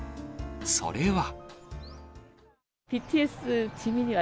それは。